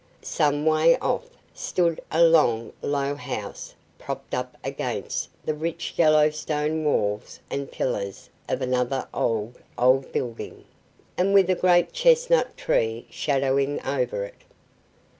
Some way off stood a long low house propped up against the rich yellow stone walls and pillars of another old, old building, and with a great chestnut tree shadowing over it.